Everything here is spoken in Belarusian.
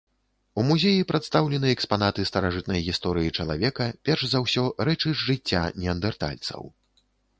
У музеі прадстаўлены экспанаты старажытнай гісторыі чалавека, перш за ўсё, рэчы з жыцця неандэртальцаў.